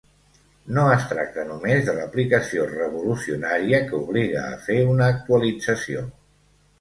No es tracta només de l'aplicació revolucionària que obliga a fer una actualització.